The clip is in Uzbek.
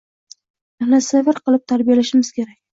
Mehnatsevar qilib tarbiyalashimiz kerak.